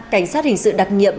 cảnh sát hình sự đặc nhiệm